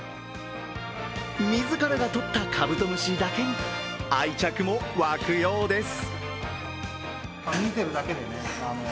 自らがとったカブトムシだけに、愛着も湧くようです。